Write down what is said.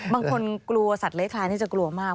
บางคนกลัวสัตว์เล้คลายนี่จะกลัวมาก